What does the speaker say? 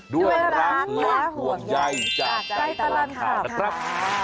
ด้วยร้านมือห่วงใยจากใจตลับขอบคับ